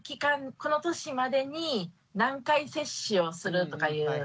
この年までに何回接種をするとかいう。